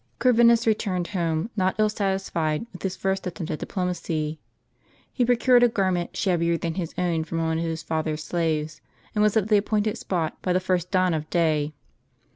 Corvinus returned home, not ill satisfied with his first attempt at diplomacy ; he procured a garment shabbier than his own from one of his father's slaves, and was at the appointed spot by the first dawn of day.